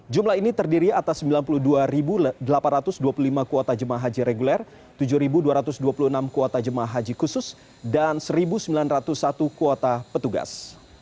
jumlah ini terdiri atas sembilan puluh dua delapan ratus dua puluh lima kuota jemaah haji reguler tujuh dua ratus dua puluh enam kuota jemaah haji khusus dan satu sembilan ratus satu kuota petugas